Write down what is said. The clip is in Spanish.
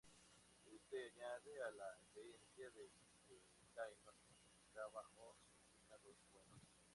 Esto añade a la creencia de que taíno significaba, o significa, 'los buenos'.